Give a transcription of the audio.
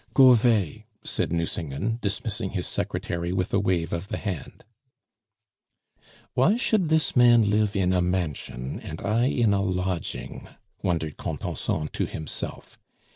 "Go 'vay," said Nucingen, dismissing his secretary with a wave of the hand. "Why should this man live in a mansion and I in a lodging?" wondered Contenson to himself.